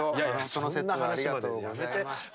その節はありがとうございました。